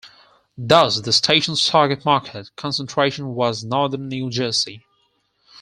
Thus the station's target market concentration was northern New Jersey.